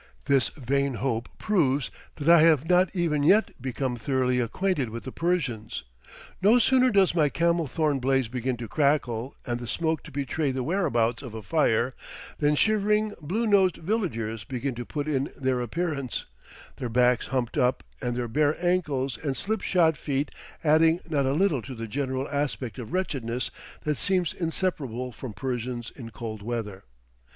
This vain hope proves that I have not even yet become thoroughly acquainted with the Persians. No sooner does my camel thorn blaze begin to crackle and the smoke to betray the whereabouts of a fire, than shivering, blue nosed villagers begin to put in their appearance, their backs humped up and their bare ankles and slip shod feet adding not a little to the general aspect of wretchedness that seems inseparable from Persians in cold weather.